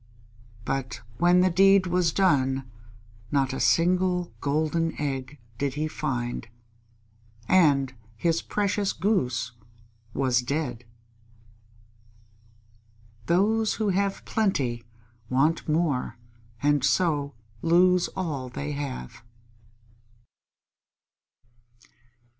But when the deed was done, not a single golden egg did he find, and his precious Goose was dead. _Those who have plenty want more and so lose all they have.